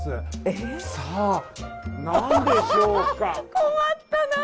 困ったなぁ！